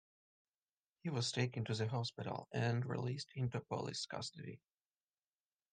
He was taken to the hospital and released into police custody.